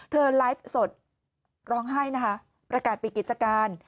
ไลฟ์สดร้องไห้นะคะประกาศปิดกิจการ